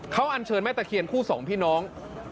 เขาอันเชิญแม่ตะเคียนคู่สองพี่น้อง